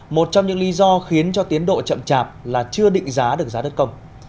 một trong những lý do khiến cho tiến độ chậm chạp là chưa định giá được giá đất công